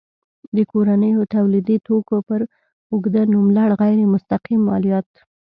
د کورنیو تولیدي توکو پر اوږده نوملړ غیر مستقیم مالیات.